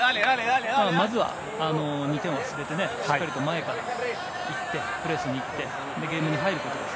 まずは２点を取っているので落ち着いてしっかりと前からプレスにいってゲームに入ることです。